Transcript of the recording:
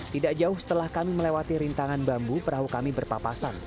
tidak jauh setelah kami melewati rintangan bambu perahu kami berpapasan